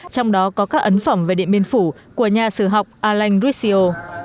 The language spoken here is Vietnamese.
trong đó có các ấn phẩm về địa biến phủ của nhà sử học alain roussio